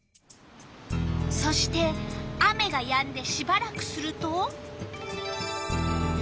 そして雨がやんでしばらくすると。